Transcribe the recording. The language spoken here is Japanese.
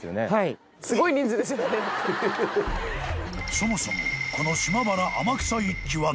［そもそもこの］